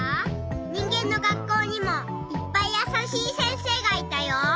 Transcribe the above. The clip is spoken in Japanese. にんげんの学校にもいっぱいやさしい先生がいたよ。